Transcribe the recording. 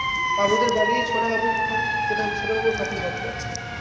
বাবুদের বাড়ি ছোটবাবুর খাতির কত।